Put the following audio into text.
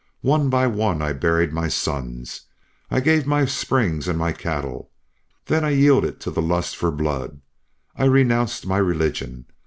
"One by one I buried my sons. I gave my springs and my cattle. Then I yielded to the lust for blood. I renounced my religion.